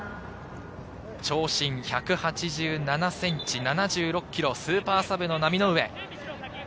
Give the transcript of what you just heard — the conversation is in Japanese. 長身１８７ｃｍ、７６ｋｇ、スーパーサブの浪上。